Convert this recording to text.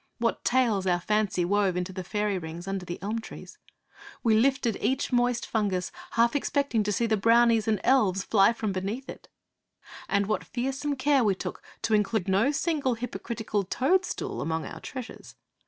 What tales our fancy wove into the fairy rings under the elm trees! We lifted each moist fungus half expecting to see the brownies and the elves fly from beneath it! And what fearsome care we took to include no single hypocritical toadstool among our treasures!